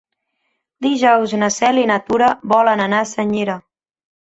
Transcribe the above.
Dijous na Cel i na Tura volen anar a Senyera.